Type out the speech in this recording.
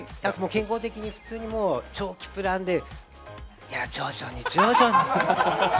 健康的に長期プランで徐々に、徐々に。